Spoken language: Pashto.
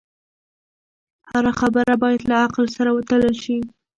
هره خبره باید له عقل سره وتلل شي.